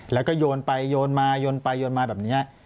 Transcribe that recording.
แล้วก็โยนไปโยนมาโยนไปโยนมาแบบนี้